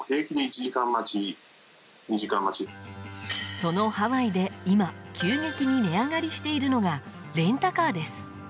そのハワイで今、急激に値上がりしているのがレンタカーです。